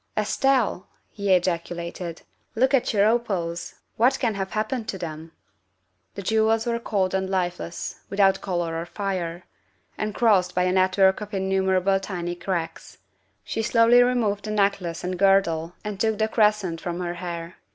"Estelle," he ejaculated, "look at your opals! .What can have happened to them ?'' The jewels were cold and lifeless, without color or fire, THE SECRETARY OF STATE 359 and crossed by a network of innumerable tiny cracks. She slowly removed the necklace and girdle and took the crescent from her hair.